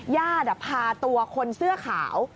ญาติพาตัวคนเสื้อขาว